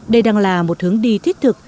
đây đang là một hướng đi thiết thực